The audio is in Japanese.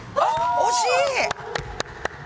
惜しい！